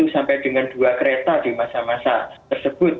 sepuluh sampai dengan dua kereta di masa masa tersebut